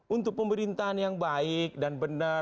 untuk pemerintahan yang baik dan benar